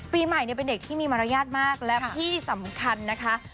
ปีใหม่เป็นเด็กที่มีมารยาทมากและที่สำคัญนะคะ